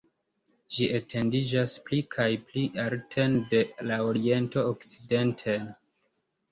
Ĝi etendiĝas pli kaj pli alten de la oriento okcidenten.